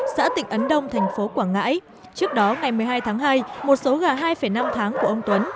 xã tỉnh ấn đông tp quảng ngãi trước đó ngày một mươi hai tháng hai một số gà hai năm tháng của ông tuấn